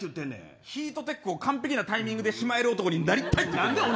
ヒートテックを完璧なタイミングでしまえる男になりたい。